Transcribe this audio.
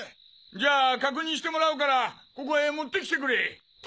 じゃあ確認してもらうからここへ持って来てくれ！